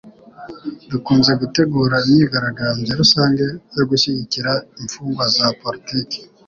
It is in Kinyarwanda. dukunze gutegura imyigaragambyo rusange yo gushyigikira imfungwa za politiki